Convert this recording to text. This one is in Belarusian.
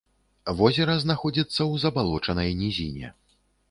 Возера знаходзіцца ў забалочанай нізіне.